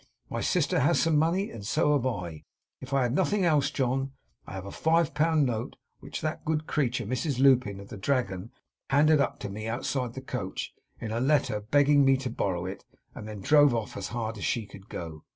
'My sister has some money, and so have I. If I had nothing else, John, I have a five pound note, which that good creature, Mrs Lupin, of the Dragon, handed up to me outside the coach, in a letter begging me to borrow it; and then drove off as hard as she could go.